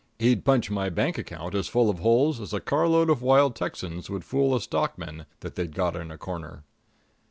He'd punch my bank account as full of holes as a carload of wild Texans would a fool stockman that they'd got in a corner.